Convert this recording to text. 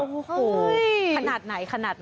โอ้โหขนาดไหนขนาดไหน